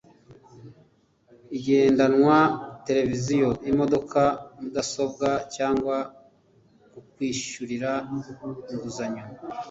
igendanwa televiziyo imodoka mudasobwa cyangwa kukwishyurira inguzanyo